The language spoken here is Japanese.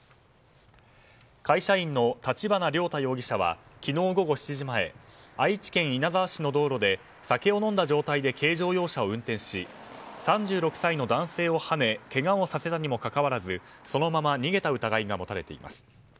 会社員の立花涼太容疑者は昨日午後７時前愛知県稲沢市の道路で酒を飲んだ状態で軽乗用車を運転し３６歳の男性をはねけがをさせたにもかかわらずそのまま逃げた疑いが持たれています。